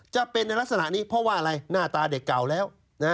จะเป็นในลักษณะนี้เพราะว่าอะไรหน้าตาเด็กเก่าแล้ว